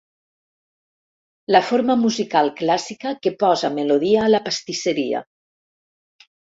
La forma musical clàssica que posa melodia a la pastisseria.